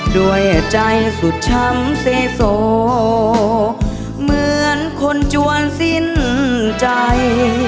ด้วยใจสุดช้ำเสโสเหมือนคนจวนสิ้นใจ